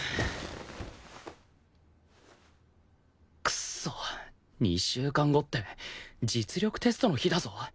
クソ２週間後って実力テストの日だぞ？